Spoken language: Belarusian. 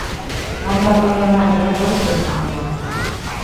Вам, напэўна, нават гадоў столькі няма.